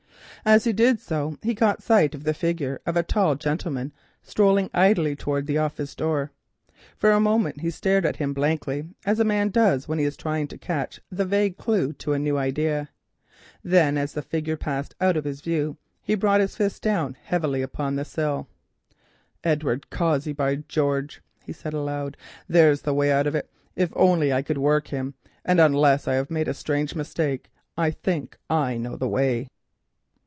As he did so he caught sight of the figure of a tall gentleman strolling idly towards the office door. For a moment he stared at him blankly, as a man does when he is trying to catch the vague clue to a new idea. Then, as the figure passed out of his view, he brought his fist down heavily upon the sill. "Edward Cossey, by George!" he said aloud. "There's the way out of it, if only I can work him, and unless I have made a strange mistake, I think I know the road."